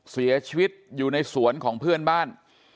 เสียชีวิตอยู่ในสวนของเพื่อนบ้าน